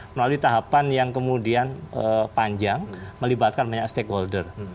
melalui tahapan yang kemudian panjang melibatkan banyak stakeholder